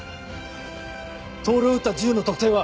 透を撃った銃の特定は？